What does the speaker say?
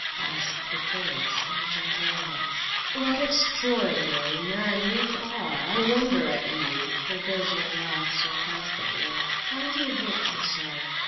asked the prince in a gentle voice. "What an extraordinary man you are! I wonder at you!" Rogojin laughed sarcastically. "Why do you hate me so?"